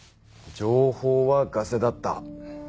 情報はガセだった。